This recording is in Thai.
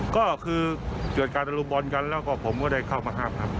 ก็คือเกิดการรุมบอลกันแล้วก็ผมก็ได้เข้ามาห้ามครับ